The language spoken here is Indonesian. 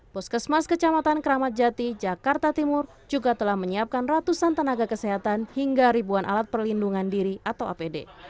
puskesmas kecamatan keramat jati jakarta timur juga telah menyiapkan ratusan tenaga kesehatan hingga ribuan alat perlindungan diri atau apd